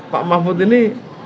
pak mahfud ini